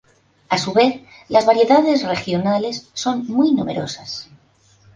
A su vez, las variedades regionales son muy numerosas.